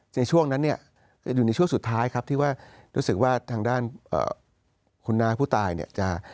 ดูจากช่วงสุดท้ายที่รู้สึกว่าทางด้านคุณมหาผู้ตาย